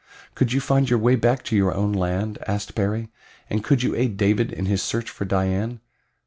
"Could you find your way back to your own land?" asked Perry. "And could you aid David in his search for Dian?"